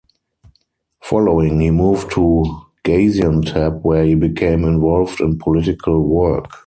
Following he moved to Gaziantep where he became involved in political work.